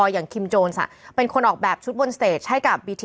ยังคิมโจนส์อ่ะเป็นคนออกแบบชุดบนสเตจให้กับ